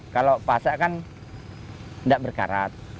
kalau pasak kan tidak berkarat